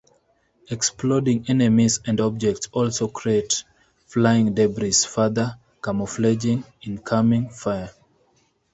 Exploding enemies and objects also create flying debris, further camouflaging incoming fire.